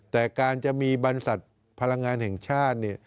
แต่การจะมีปลังงานแห่งชาติ